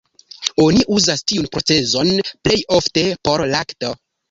Oni uzas tiun procezon plej ofte por lakto.